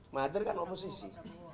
mahathir kan oposisi